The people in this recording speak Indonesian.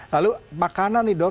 lalu makanan nih dok